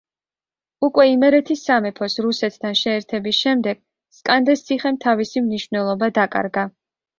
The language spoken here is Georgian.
უკვე იმერეთის სამეფოს რუსეთთან შეერთების შემდეგ სკანდეს ციხემ თავისი მნიშვნელობა დაკარგა.